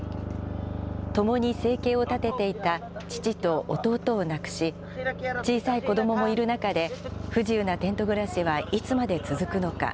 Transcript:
共に生計を立てていた父と弟を亡くし、小さい子どももいる中で、不自由なテント暮らしはいつまで続くのか。